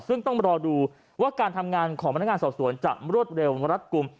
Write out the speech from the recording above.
ซึ่งต้องรอดูว่าการทำงานของพนักงานสอบสวนจะรวดเร็วรัดกลุ่ม